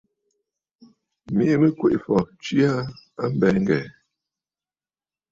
Miʼi mɨ Kweʼefɔ̀ tswe aa a mbɛ̀ɛ̀ ŋ̀gɛ̀ɛ̀.